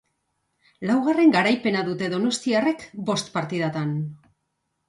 Laugarren garaipena dute donostiarrek bost partidatan.